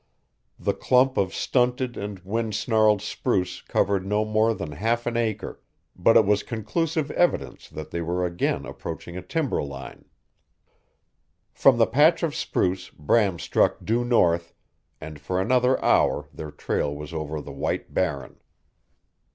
The clump of stunted and wind snarled spruce covered no more than half an acre, but it was conclusive evidence they were again approaching a timber line. From the patch of spruce Bram struck due north, and for another hour their trail was over the white Barren.